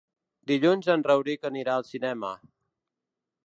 Dilluns en Rauric anirà al cinema.